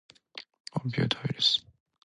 コンピューターウイルス